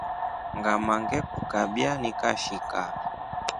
Ngama ngrkukabya nikashika.